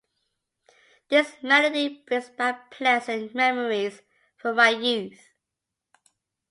This melody brings back pleasant memories from my youth.